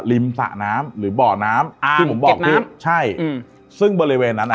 ริมสระน้ำหรือเบาะน้ำอ่าเก็บน้ำใช่อืมซึ่งบริเวณนั้นอ่ะ